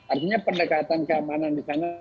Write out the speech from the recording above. artinya pendekatan keamanan di sana